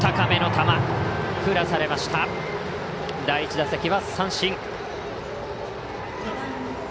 第１打席は三振。